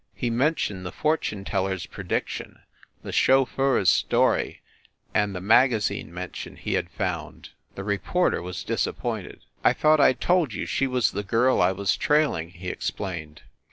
He men tioned the fortune teller s prediction, the chauffeur s story and the magazine mention he had found. The reporter was disappointed. "I thought I told you she was the girl I was trail ing," he explained.